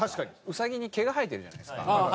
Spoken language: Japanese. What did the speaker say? ウサギに毛が生えてるじゃないですか。